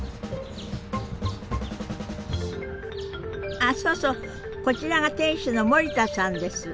あそうそうこちらが店主の森田さんです。